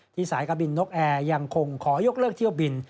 สายการบินนกแอร์ยังคงขอยกเลิกเที่ยวบิน